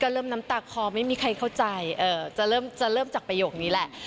เริ่มน้ำตาคอไม่มีใครเข้าใจจะเริ่มจะเริ่มจากประโยคนี้แหละ